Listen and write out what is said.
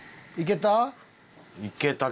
いけた？